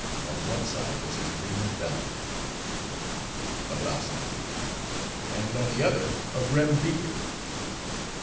On one side was his ream of vellum— ABBRAZZA—And on the other, a brimmed beaker.